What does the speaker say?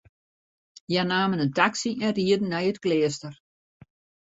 Hja namen in taksy en rieden nei it kleaster.